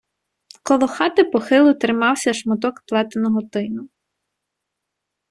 Коло хати похило тримався шматок плетеного тину.